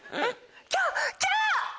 キャっ！キャ！